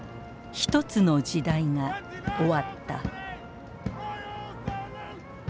一つの時代が終わった。